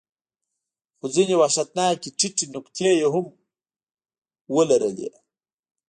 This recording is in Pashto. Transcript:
خو ځینې وحشتناکې ټیټې نقطې یې هم ولرلې.